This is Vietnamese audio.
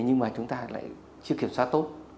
nhưng mà chúng ta lại chưa kiểm soát tốt